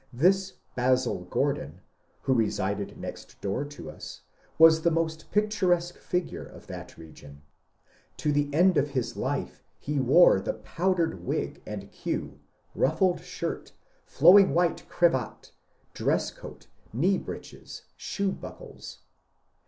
This Basil Gordon, who resided next door to us, was the most picturesque figure of that region. To the end of life he wore the powdered wig and queue, ruffled shirt, flowing white cravat, dress coat, knee breeches, shoe buckles.